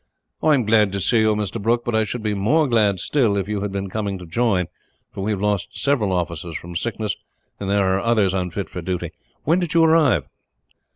"I am glad to see you, Mr. Brooke; but I should be more glad, still, if you had been coming to join, for we have lost several officers from sickness, and there are others unfit for duty. When did you arrive?"